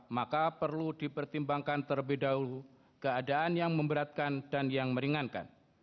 maka perlu dipertimbangkan terlebih dahulu keadaan yang memberatkan dan yang meringankan